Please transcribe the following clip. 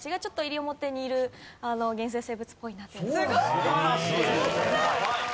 素晴らしい。